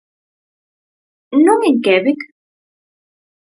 Non en Quebec?